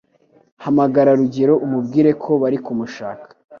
Hamagara Rugero umubwire ko bari kumushaka.